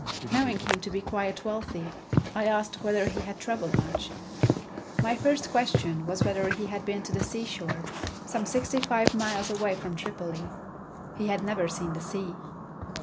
Knowing him to be quite wealthy, I asked whether he had traveled much. My first question was whether he had been to the seashore, some sixty five miles away at Tripoli. He had never seen the sea.